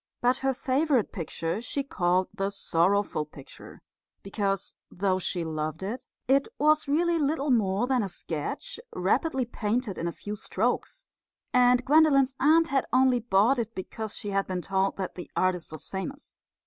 But her favourite picture she called the "sorrowful picture," because though she loved it, it made her feel sad. It was really little more than a sketch, rapidly painted in a few strokes, and Gwendolen's aunt had only bought it because she had been told that the artist was famous.